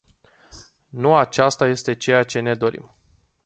Nu aceasta este ceea ce ne dorim.